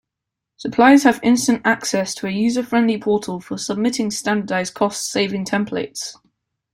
Suppliers have instant access to a user-friendly portal for submitting standardized cost savings templates.